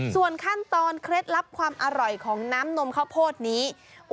ส่วนขั้นตอนเคล็ดลับความอร่อยของน้ำนมข้าวโพดนี้